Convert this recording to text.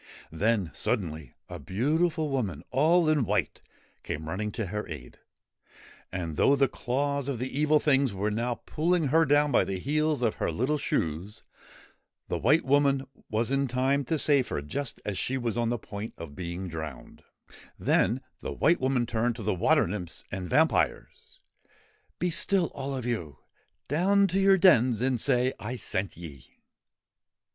Then, suddenly, a beautiful woman all in white came running to her aid. And, though the claws of the Evil Things were now pulling her down by the heels of her little shoes, the White Woman was in time to save her just as she was on the point of being drowned. WHITE CAROLINE AND BLACK CAROLINE Then the White Woman turned to the water nymphs and vampires :' Be still, all of you I Down to your dens, and say I sent ye